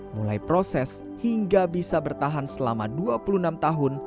mulai proses hingga bisa bertahan selama dua puluh enam tahun